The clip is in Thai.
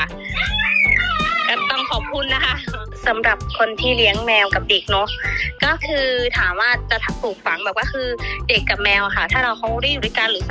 ก็คือเราก็อัดความด้วยความน่ารักของเด็กอะเนาะค่ะเขาเล่นตามจินานาการของเขาแล้วก็ดูมีความสุขแล้วก็เลยถ่ายท่อความสุขตรงนี้ให้คนดูอะค่ะ